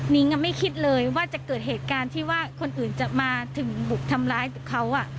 นิ้งไม่คิดเลยว่าจะเกิดเหตุการณ์ที่ว่าคนอื่นจะมาถึงบุกทำร้ายเขา